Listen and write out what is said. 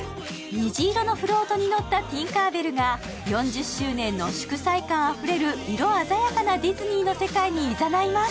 虹色のフロートに乗ったティンカー・ベルが４０周年の祝祭感あふれる色鮮やかなディズニーの世界にいざないます。